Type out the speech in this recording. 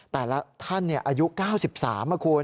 แต่ละท่านอายุ๙๓นะคุณ